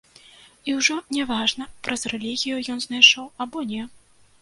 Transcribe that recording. І ужо не важна, праз рэлігію ён знайшоў або не.